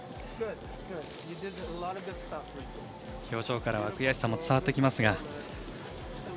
表情からは悔しさも伝わってきます。